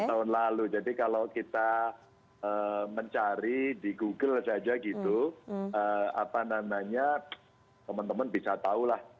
tahun lalu jadi kalau kita mencari di google saja gitu apa namanya teman teman bisa tahu lah